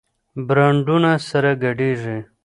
برانډونه سره ګډېږي.